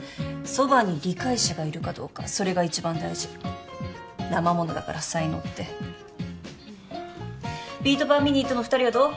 そばに理解者がいるかどうかそれが一番大事生ものだから才能ってふんビート・パー・ミニットの２人はどう？